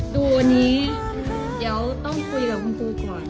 ดูตรงนี้จะต้องคุยกับครูครูก่อน